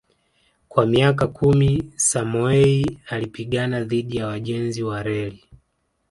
Kwa miaka kumi Samoei alipigana dhidi ya wajenzi wa reli